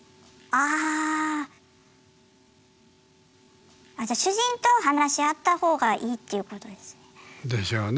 あじゃあ主人と話し合った方がいいっていうことですね。でしょうね。